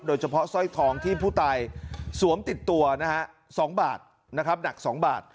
สร้อยทองที่ผู้ตายสวมติดตัวนะฮะ๒บาทนะครับหนัก๒บาท